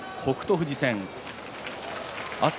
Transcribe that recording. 富士戦です。